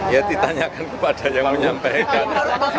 ya ditanyakan kepada yang mau menyampaikan